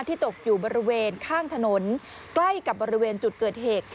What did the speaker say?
ตกอยู่บริเวณข้างถนนใกล้กับบริเวณจุดเกิดเหตุ